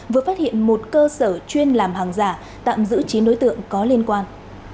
vừa phát hiện một cơ sở chuyên làm hàng giả tạm giữ chín đối tượng có liên quan